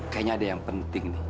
kayaknya ada yang penting nih